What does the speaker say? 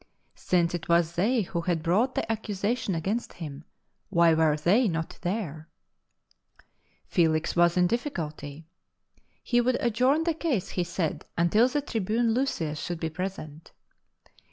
Since it was they who had brought the accusation against him, why were they not there ? Felix was in a difficulty. He would adjourn the case, he said, until the tribune Lysias " AN AMBASSADOR IN BONDS " 105 should be present.